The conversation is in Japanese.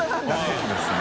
そうですね。